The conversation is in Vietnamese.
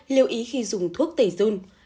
hai liệu ý khi dùng thuốc tẩy dung